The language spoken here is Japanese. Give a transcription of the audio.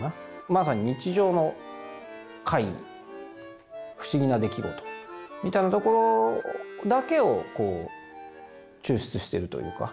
まさに日常の怪異不思議な出来事みたいなところだけをこう抽出してるというか。